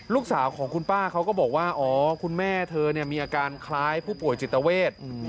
ลูกสาวของคุณป้าเขาก็บอกว่าอ๋อคุณแม่เธอมีอาการคล้ายผู้ป่วยจิตเวท